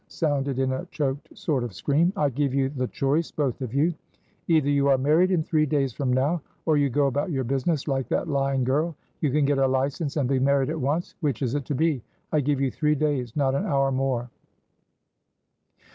sounded in a choked sort of scream. "I give you the choice, both of you. Either you are married in three days from now, or you go about your business, like that lying girl. You can get a license, and be married at once. Which is it to be? I give you three days, not an hour more."